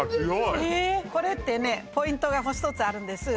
これってねポイントがもう一つあるんです